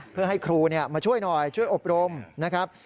เพื่อให้ครูมาช่วยหน่อยช่วยอบรมนะครับ